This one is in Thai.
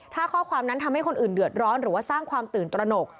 ถ้าข้อความนั้นทำให้คนอื่นเดือดร้อนหรือว่าสร้างความตื่นตระหนก